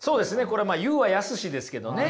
これは「言うは易し」ですけどね。